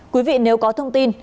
quý vị nếu có thông tin